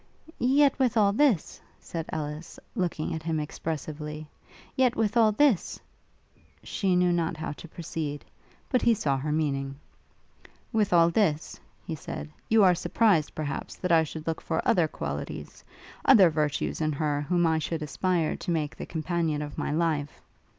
'Yet, with all this,' said Ellis, looking at him expressively, 'with all this....' she knew not how to proceed; but he saw her meaning. 'With all this,' he said, 'you are surprised, perhaps, that I should look for other qualities, other virtues in her whom I should aspire to make the companion of my life?